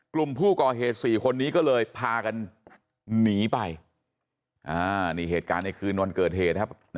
กลุ่มผู้ก่อเหตุ๔คนนี้ก็เลยพากันหนีไปนี่เหตุการณ์ในคืนวันเกิดเหตุครับ